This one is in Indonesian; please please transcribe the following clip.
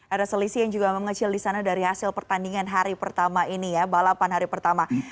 ada selisih yang juga mengecil di sana dari hasil pertandingan hari pertama ini ya balapan hari pertama